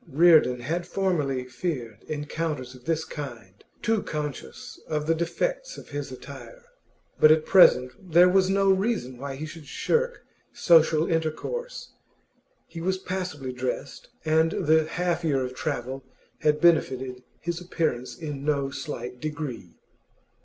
Reardon had formerly feared encounters of this kind, too conscious of the defects of his attire; but at present there was no reason why he should shirk social intercourse. He was passably dressed, and the half year of travel had benefited his appearance in no slight degree.